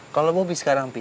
kalau bobi sekarang peh